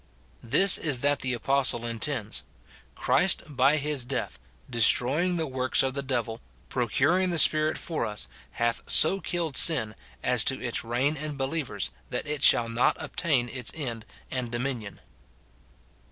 This is that the apostle intends : Christ by his death destroying the works of the devil, procuring the Spirit for us, hath 80 killed sin, as to its reign in believers, that it shall not obtain its end and dominion.